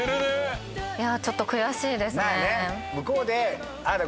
ちょっと悔しいですね。